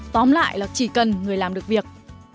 tóm lại là chỉ cần người làm được việc